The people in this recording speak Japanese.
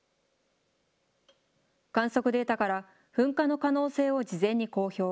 観測データから、噴火の可能性を事前に公表。